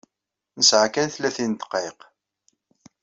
Nesɛa kan tlatin n ddqayeq.